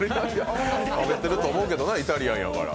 食べてると思うけどな、イタリアンやから。